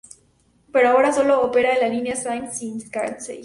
Pero ahora solo opera en la línea Sanyo Shinkansen.